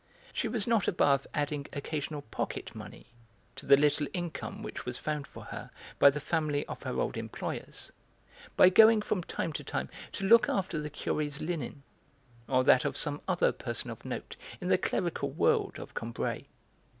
She was not above adding occasional pocket money to the little income which was found for her by the family of her old employers by going from time to time to look after the Curé's linen, or that of some other person of note in the clerical world of Combray.